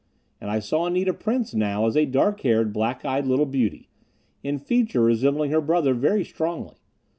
And I saw Anita Prince now as a dark haired, black eyed little beauty, in feature resembling her brother very strongly.